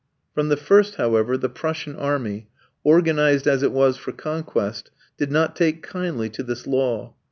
From the first, however, the Prussian army, organized as it was for conquest, did not take kindly to this law.